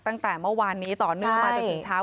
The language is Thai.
ตั้งแต่เมื่อวานนี้ต่อเนื่องมาจนถึงเช้า